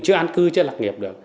chưa an cư chưa lạc nghiệp được